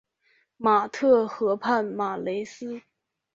马特河畔马雷斯。